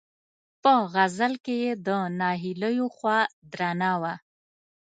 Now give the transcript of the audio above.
په غزل کې یې د ناهیلیو خوا درنه وه.